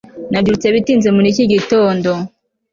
Nabyutse bitinze muri iki gitondo